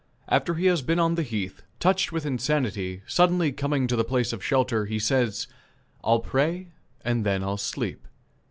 After he has been on the heath, touched with insanity, coming suddenly to the place of shelter, he says: "I'll pray, and then I'll sleep."